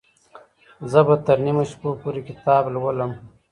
زه به تر نیمو شپو پورې کتاب لولم.